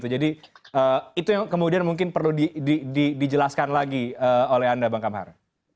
jadi itu yang kemudian mungkin perlu dijelaskan lagi oleh anda bang kamar